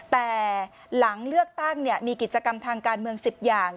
แต่หลังเลือกตั้งมีกิจกรรมทางการเมือง๑๐อย่าง